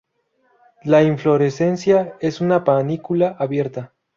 La inflorescencia es una panícula abierta.